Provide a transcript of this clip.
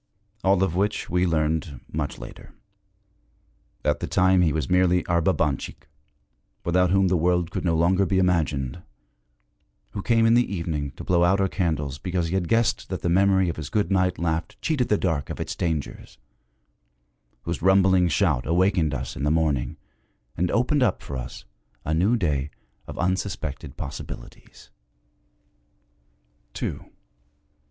All of which we learned much later. At the time, he was merely our Babanchik, without whom the world could no longer be imagined; who came in the evening to blow out our candles because he had guessed that the memory of his good night laugh cheated the dark of its dangers; whose rumbling shout awakened us in the morning and opened up for us a new day of unsuspected possibilities.